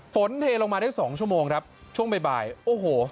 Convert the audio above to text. เทลงมาได้สองชั่วโมงครับช่วงบ่ายโอ้โห